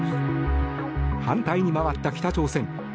反対に回った北朝鮮。